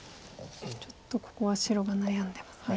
ちょっとここは白が悩んでますね。